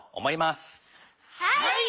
はい。